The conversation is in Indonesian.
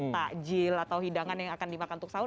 takjil atau hidangan yang akan dimakan untuk sahur